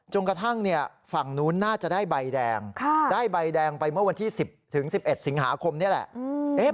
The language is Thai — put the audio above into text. กระทั่งฝั่งนู้นน่าจะได้ใบแดงได้ใบแดงไปเมื่อวันที่๑๐๑๑สิงหาคมนี่แหละ